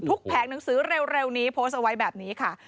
แผงหนังสือเร็วนี้โพสต์เอาไว้แบบนี้ค่ะ